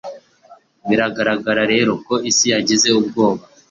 Biragaragara rero ko isi yagize ubwoba